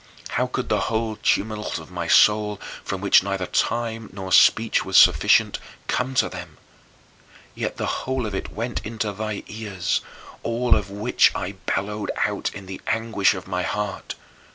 How could the whole tumult of my soul, for which neither time nor speech was sufficient, come to them? Yet the whole of it went into thy ears, all of which I bellowed out in the anguish of my heart.